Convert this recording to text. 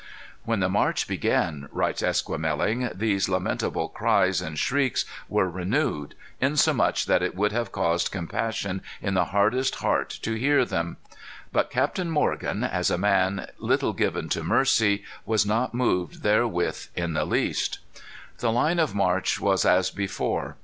"When the march began," writes Esquemeling, "those lamentable cries and shrieks were renewed, insomuch that it would have caused compassion in the hardest heart to hear them. But Captain Morgan, as a man little given to mercy, was not moved therewith in the least." The line of march was as before.